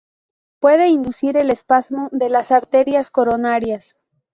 Puede inducir el espasmo de las arterias coronarias.